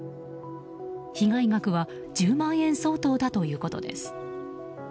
被害額は１０万円相当だということです。